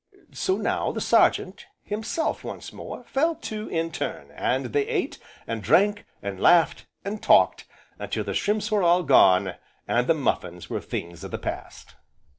So now the Sergeant, himself once more, fell to in turn, and they ate, and drank, and laughed, and talked, until the shrimps were all gone, and the muffins were things of the past.